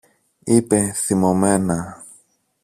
είπε θυμωμένα.